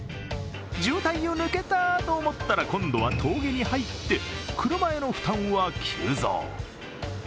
渋滞を抜けたと思ったら今度は峠に入って車への負担は急増。